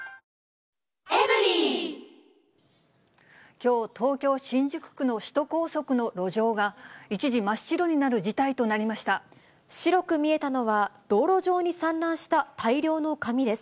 きょう、東京・新宿区の首都高速の路上が、一時、白く見えたのは、道路上に散乱した大量の紙です。